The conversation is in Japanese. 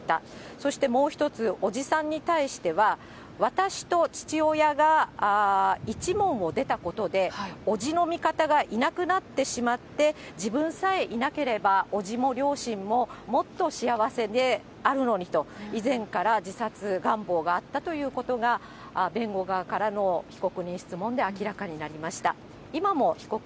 そしてもう一つ、伯父さんに対しては、私と父親が一門を出たことで、伯父の味方がいなくなってしまって、自分さえいなければ、伯父も両親ももっと幸せであるのにと、以前から自殺願望があったということが、弁護側からの被告人質問で明らかになりました。